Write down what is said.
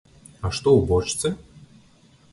А што ў бочцы?